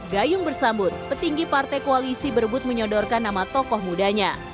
gayung bersambut petinggi partai koalisi berbut menyodorkan nama tokoh mudanya